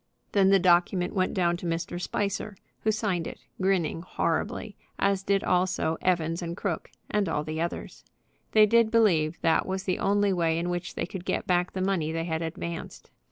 Then the document went down to Mr. Spicer, who signed it, grinning horribly; as did also Evans & Crooke and all the others. They did believe that was the only way in which they could get back the money they had advanced.